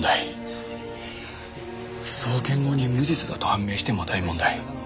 送検後に無実だと判明しても大問題。